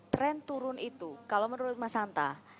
trend turun itu kalau menurut mas anta